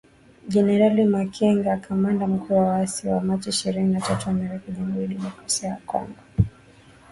Jenerali Makenga kamanda mkuu wa waasi wa Machi ishirini na tatu amerudi Jamuhuri ya Kidemokrasia ya Kongo kuongoza mashambulizi